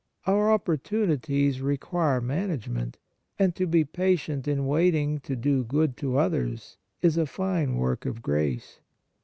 Our opportunities require management, and to be patient in waiting to do good to others is a fine work of grace.